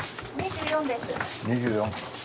２４です。